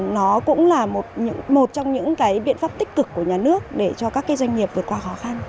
nó cũng là một trong những cái biện pháp tích cực của nhà nước để cho các doanh nghiệp vượt qua khó khăn